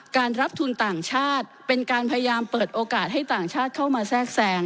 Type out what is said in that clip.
การรับทุนต่างชาติเป็นการพยายามเปิดโอกาสให้ต่างชาติเข้ามาแทรกแทรง